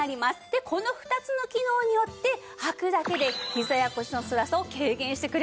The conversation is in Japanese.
でこの２つの機能によってはくだけでひざや腰のつらさを軽減してくれるんです。